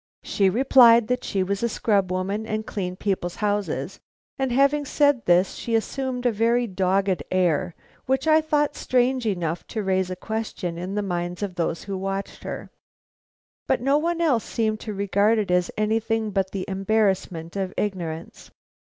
She replied that she was a scrub woman and cleaned people's houses, and having said this, she assumed a very dogged air, which I thought strange enough to raise a question in the minds of those who watched her. But no one else seemed to regard it as anything but the embarrassment of ignorance.